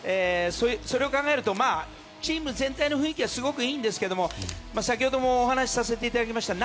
それを考えるとチーム全体の雰囲気はすごくいいんですけど先ほどもお話しさせていただきました。